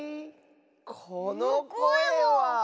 このこえは！